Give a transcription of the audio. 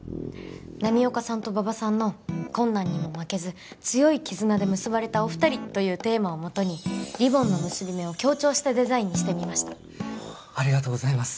浪岡さんと馬場さんの困難にも負けず強い絆で結ばれたお二人というテーマをもとにリボンの結び目を強調したデザインにしてみましたありがとうございます